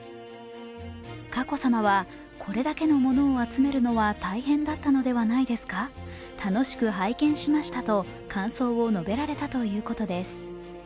佳子さまは、これだけのものを集めるのは大変だったのではないですか楽しく拝見しましたと感想を述べられたということです。